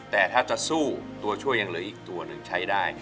แต่ถ้าจะสู้ตัวช่วยยังเหลืออีกตัวหนึ่งใช้ได้